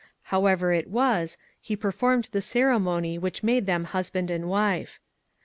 However it was, he performed the ceremony which made them husband and wife.